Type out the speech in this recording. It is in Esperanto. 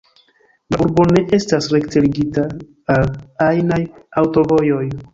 La urbo ne estas rekte ligita al ajnaj aŭtovojoj.